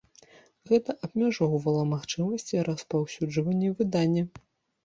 Гэта абмяжоўвала магчымасці распаўсюджвання выдання.